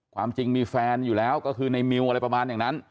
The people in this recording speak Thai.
ความจริงมีแฟนอยู่แล้วก็คือในมิวอะไรประมาณอย่างนั้น